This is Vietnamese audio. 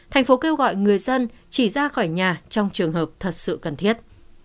thành phố kêu gọi người dân chỉ ra khỏi nhà trong trường hợp thật sự cần thiết